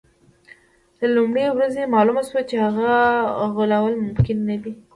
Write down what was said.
له لومړۍ ورځې معلومه شوه چې هغه غولول ممکن نه دي.